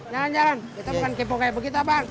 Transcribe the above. jalan jalan kita bukan kipok kayak begitu bang